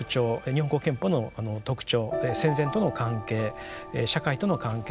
日本国憲法の特徴戦前との関係社会との関係